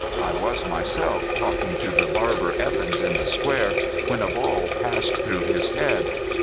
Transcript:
"I was myself talking to the barber Evans in the square, when a ball passed through his head.